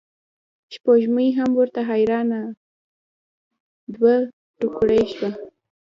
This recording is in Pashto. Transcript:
سپوږمۍ هم ورته حیرانه دوه توکړې شوه.